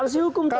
sisi hukum tetap